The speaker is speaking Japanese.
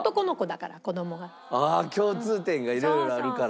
ああ共通点がいろいろあるから。